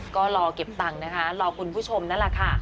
ก็รอเก็บตังค์นะคะรอคุณผู้ชมนั่นแหละค่ะ